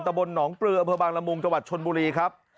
ตะบลหนองปลืออรมงจชนบุรีครับ